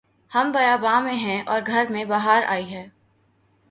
ہم بیاباں میں ہیں اور گھر میں بہار آئی ہے